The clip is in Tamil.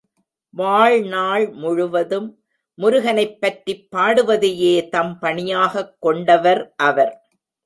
வாழ்நாள் முழுவதும் முருகனைப் பற்றிப் பாடுவதையே தம் பணியாகக் கொண்டவர் அவர்.